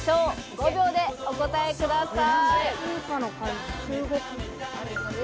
５秒でお答えください。